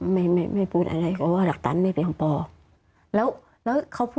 ไม่พูดอะไรเขาบอกว่าหลักฐานไม่เป็นของพ่อ